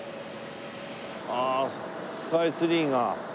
ああスカイツリーが。